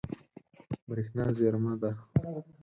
برېښنا زیرمه ده.